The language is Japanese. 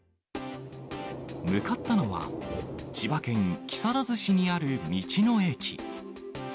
向かったのは、千葉県木更津市にある道の駅。